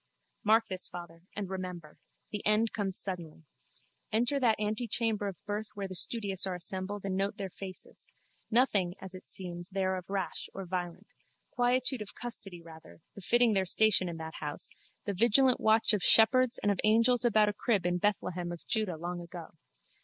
Mark this farther and remember. The end comes suddenly. Enter that antechamber of birth where the studious are assembled and note their faces. Nothing, as it seems, there of rash or violent. Quietude of custody, rather, befitting their station in that house, the vigilant watch of shepherds and of angels about a crib in Bethlehem of Juda long ago.